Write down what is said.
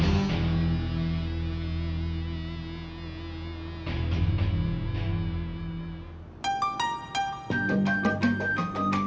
ya udah vos